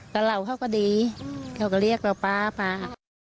แต่เหล่าเขาก็ดีเขาก็เรียกเราป๊าป๊า